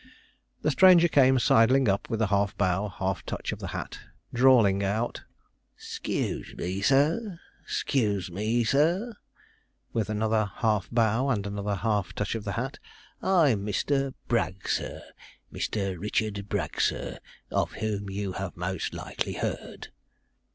The stranger came sidling up with a half bow, half touch of the hat, drawling out: ''Sceuuse me, sir 'sceuuse me, sir,' with another half bow and another half touch of the hat. 'I'm Mister Bragg, sir Mister Richard Bragg, sir; of whom you have most likely heard.'